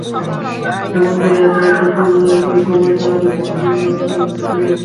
যেমন করে একা একটা সূর্য একই সময়ে সারা বিশ্বের বিভিন্ন নদীর পানি শুষে নেয়।